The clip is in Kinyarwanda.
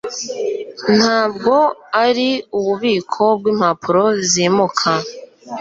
Ntabwo ari ububiko bwimpapuro zimuka